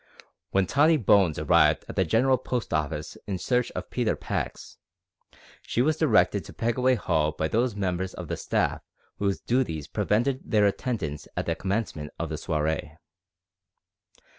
When Tottie Bones arrived at the General Post Office in search of Peter Pax, she was directed to Pegaway Hall by those members of the staff whose duties prevented their attendance at the commencement of the soiree.